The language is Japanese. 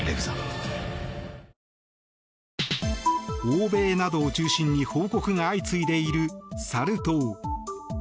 欧米などを中心に報告が相次いでいる、サル痘。